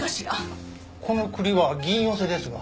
この栗は銀寄ですが。